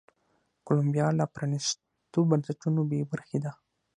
کولمبیا له پرانیستو بنسټونو بې برخې ده.